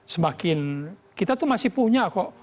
semakin kita tuh masih punya kok